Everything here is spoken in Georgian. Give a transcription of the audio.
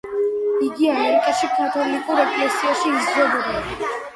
იგი ამერიკაში კათოლიკურ ეკლესიაში იზრდებოდა.